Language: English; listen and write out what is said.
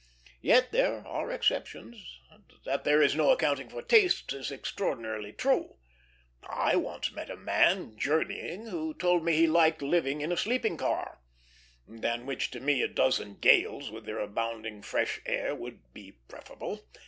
Yet there are exceptions. That there is no accounting for tastes is extraordinarily true. I once met a man, journeying, who told me he liked living in a sleeping car; than which to me a dozen gales, with their abounding fresh air, would be preferable.